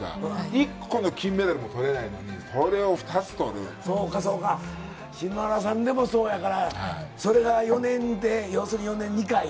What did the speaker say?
１個の金メダルもとれないのに、そうかそうか、篠原さんでもそうだから、それが４年で、要するに４年に１回。